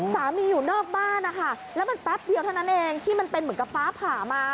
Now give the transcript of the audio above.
อยู่นอกบ้านนะคะแล้วมันแป๊บเดียวเท่านั้นเองที่มันเป็นเหมือนกับฟ้าผ่ามา